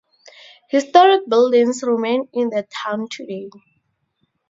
Historic buildings remain in the town today.